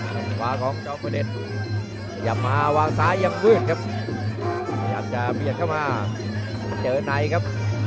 พยายามมาวางซ้ายังมืดครับพยายามจะเบียดเข้ามาเจอไหนครับ